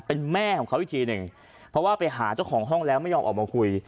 เป็นแม่ของเขาอีกทีหนึ่งเพราะว่าไปหาเจ้าของห้องแล้วไม่ยอมออกมาคุย